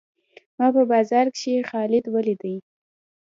ما په بازار کښي خالد وليدئ.